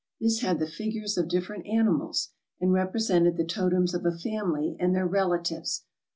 This had the figures of different animals, and represented the totems of a family and their relatives.